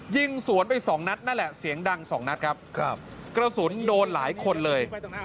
ยิงสวนไปสองนัดนั่นแหละเสียงดังสองนัดครับกระสุนโดนหลายคนเลย